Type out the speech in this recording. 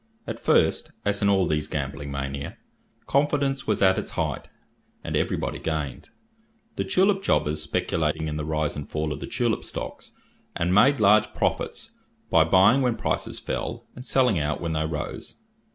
At first, as in all these gambling mania, confidence was at its height, and every body gained. The tulip jobbers speculated in the rise and fall of the tulip stocks, and made large profits by buying when prices fell, and selling out when they rose.